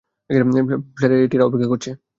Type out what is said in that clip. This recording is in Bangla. ফ্ল্যারেটিরা অপেক্ষা করছে।